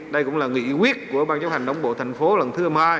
đây cũng là nghị quyết của ban chấp hành đồng bộ thành phố lần thứ hai